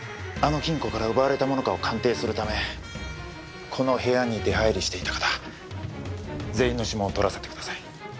あの金庫から奪われたものかを鑑定するためこの部屋に出入りしていた方全員の指紋を採らせてください。